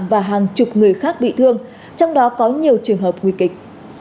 và hàng chục người khác bị thương trong đó có nhiều trường hợp nguy kịch